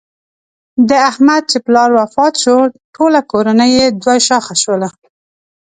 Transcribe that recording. د احمد چې پلار وفات شو ټوله کورنۍ یې دوه شاخه شوله.